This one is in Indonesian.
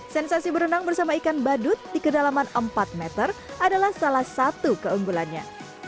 sensasi berenang bersama ikan badut di kedalaman empat meter adalah salah satu keunggulannya